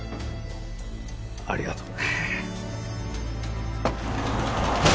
ありがとう。